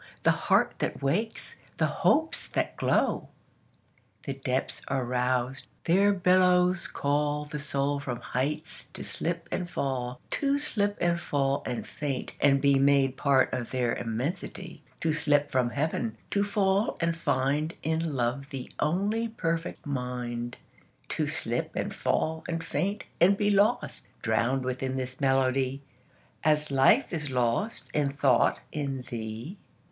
The heart that wakes, the hopes that glow! The depths are roused: their billows callThe soul from heights to slip and fall; To slip and fall and faint and beMade part of their immensity; To slip from Heaven; to fall and findIn love the only perfect mind; To slip and fall and faint and beLost, drowned within this melody, As life is lost and thought in thee.